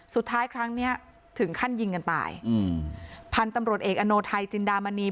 สุดท้ายครั้งเนี้ยถึงขั้นยิงกันตายอืมพันตำโหลดเอกอโนไทยจินดามณี